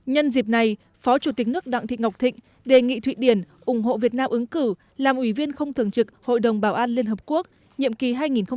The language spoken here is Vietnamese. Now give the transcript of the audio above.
nhân dịp này phó chủ tịch nước đặng thị ngọc thịnh đề nghị thụy điển ủng hộ việt nam ứng cử làm ủy viên không thường trực hội đồng bảo an liên hợp quốc nhiệm kỳ hai nghìn hai mươi hai nghìn hai mươi một